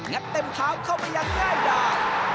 งัดเต็มเท้าเข้าไปยังได้ด่า